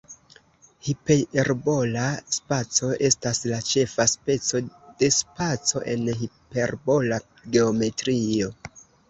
Hiperbola spaco estas la ĉefa speco de spaco en hiperbola geometrio.